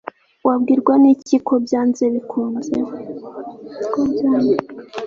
wabwirwa n'iki ko byanze bikunze